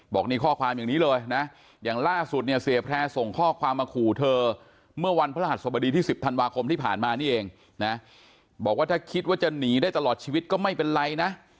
บอกนี่ข้อความอย่างนี้เลยนะอย่างล่าสุดเนี่ยเสียแพร่ส่งข้อความมาขู่เธอเมื่อวันพระหัสสบดีที่๑๐ธันวาคมที่ผ่านมานี่เองนะบอกว่าถ้าคิดว่าจะหนีได้ตลอดชีวิตก็ไม่เป็นไรนะ